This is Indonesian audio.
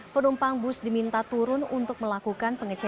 penumpang bus diminta turun untuk melakukan pengecekan